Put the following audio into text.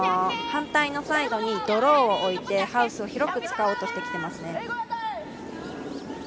反対のサイドにドローを置いてハウスを広く使おうとしてきていますね。